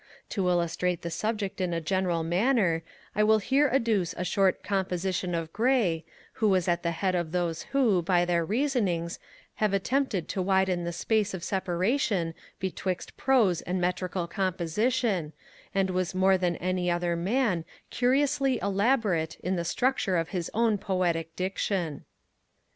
To illustrate the subject in a general manner, I will here adduce a short composition of Gray, who was at the head of those who, by their reasonings, have attempted to widen the space of separation betwixt Prose and Metrical composition, and was more than any other man curiously elaborate in the structure of his own poetic diction.